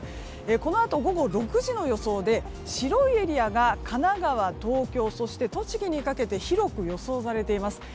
このあと午後６時の予想で白いエリアが神奈川、東京、栃木にかけて広く予想されています。